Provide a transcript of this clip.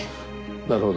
なるほど。